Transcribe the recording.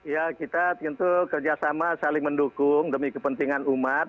ya kita tentu kerjasama saling mendukung demi kepentingan umat